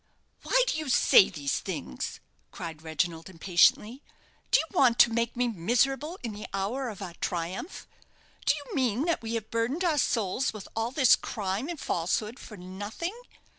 "Why do you say these things?" cried Reginald, impatiently. "Do you want to make me miserable in the hour of our triumph? Do you mean that we have burdened our souls with all this crime and falsehood for nothing?